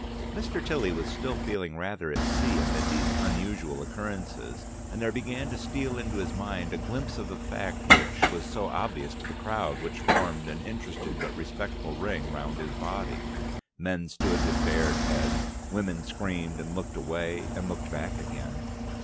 Mr. Tilly was still feeling rather at sea amid these unusual occurrences, and there began to steal into his mind a glimpse of the fact which was so obvious to the crowd which formed an interested but respectful ring round his body. Men stood with bared heads; women screamed and looked away and looked back again.